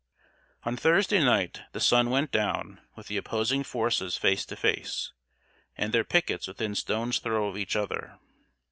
] On Thursday night the sun went down with the opposing forces face to face, and their pickets within stone's throw of each other.